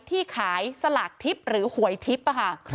ที่ขายสลากทิพย์หรือหวยทิพย์ค่ะ